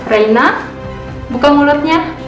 reina buka mulutnya